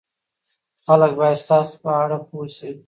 خلک باید ستاسو په اړه پوه شي.